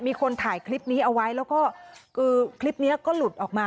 มีคนถ่ายคลิปนี้เอาไว้แล้วก็คือคลิปนี้ก็หลุดออกมา